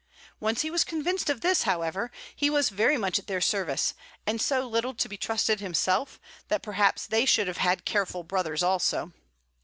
Once he was convinced of this, however, he was very much at their service, and so little to be trusted himself that perhaps they should have had careful brothers also.